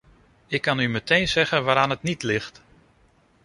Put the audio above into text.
Ik kan u meteen zeggen waaraan het niet ligt.